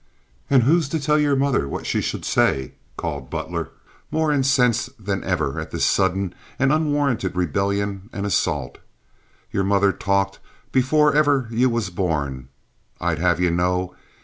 "And who's to tell your mother what she should say?" called Butler, more incensed than ever at this sudden and unwarranted rebellion and assault. "Your mother talked before ever you was born, I'd have you know.